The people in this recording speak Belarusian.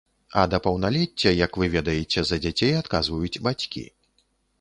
А да паўналецця, як вы ведаеце, за дзяцей адказваюць бацькі.